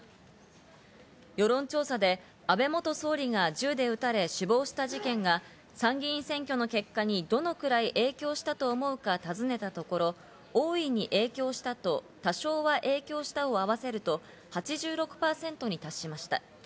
世論調査で安倍元総理が銃で撃たれ死亡した事件が参議院選挙の結果にどのくらい影響したと思うかたずねたところ、大いに影響したと、多少は影響した、を合わせると８６％に達しました。